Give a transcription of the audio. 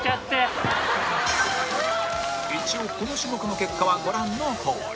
一応この種目の結果はご覧のとおり